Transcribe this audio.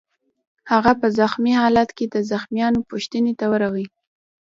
هغه په زخمي خالت کې د زخمیانو پوښتنې ته ورغی